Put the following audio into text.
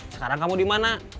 sekarang kamu di mana